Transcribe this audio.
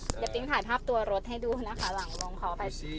เดี๋ยวปิ๊งถ่ายภาพตัวรถให้ดูนะคะหลังวงขออภัย